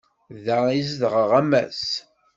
Da i zedɣeɣ, a Mass.